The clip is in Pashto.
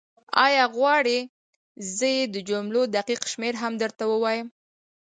ایا غواړې زه یې د جملو دقیق شمېر هم درته ووایم؟